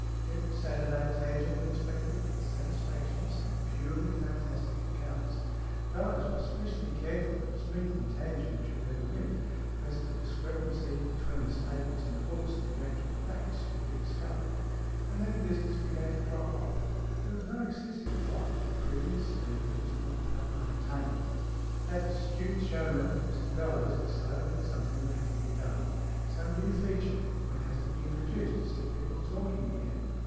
Every Saturday Tangent inspected, with satisfaction, some purely fantastic accounts. Bellowes was specially careful that Smeath and Tangent should never meet, lest the discrepancy between the statements in the books and the actual facts should be discovered. And then business began to fall off. There was no excessive drop, but the previous standard was not quite maintained. That astute showman, Mr Bellowes, decided that something would have to be done. Some new feature would have to be introduced, to set people talking again.